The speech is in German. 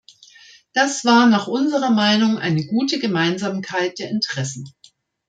Das war nach unserer Meinung eine gute Gemeinsamkeit der Interessen.